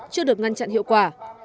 chưa được ngăn chặn hiệu quả